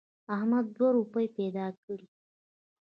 احمد دوه روپۍ پیدا کړې.